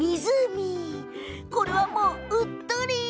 これは、うっとり！